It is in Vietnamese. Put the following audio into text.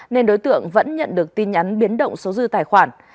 nên đối tượng vẫn nhận được tin nhắn biến động số dư tài khoản